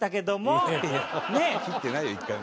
斬ってないよ１回も。